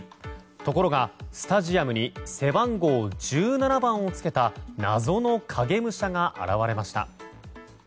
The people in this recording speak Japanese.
ところが、スタジアムに背番号１７番をつけた謎の影武者が現れました。